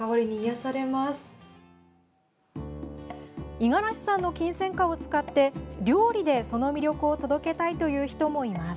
五十嵐さんのキンセンカを使って料理でその魅力を届けたいという人もいます。